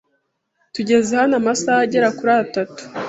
Tumaze hano amasaha agera kuri atatu.